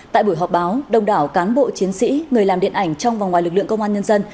tại buổi họp báo đông đảo cán bộ chiến sĩ người làm điện ảnh trong và ngoài lực lượng công an nhân dân